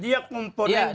dia komponen dari negara